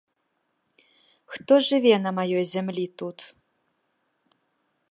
Хто жыве на маёй зямлі тут?